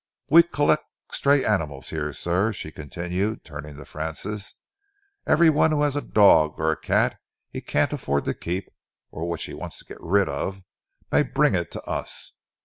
"We collect stray animals here, sir," she continued, turning to Francis. "Every one who has a dog or a cat he can't afford to keep, or which he wants to get rid of, may bring it to us.